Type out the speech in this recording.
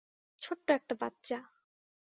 ছোট্ট একটা বাচ্চা।